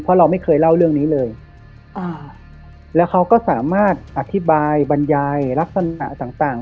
เพราะเราไม่เคยเล่าเรื่องนี้เลยอ่าแล้วเขาก็สามารถอธิบายบรรยายลักษณะต่างต่าง